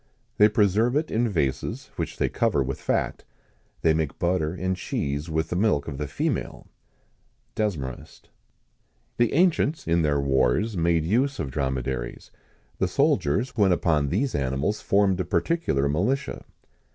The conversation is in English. They preserve it in vases, which they cover with fat. They make butter and cheese with the milk of the female." DESMAREST. The ancients, in their wars, made use of dromedaries. The soldiers when upon these animals formed a particular militia.